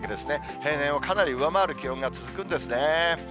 平年をかなり上回る気温が続くんですね。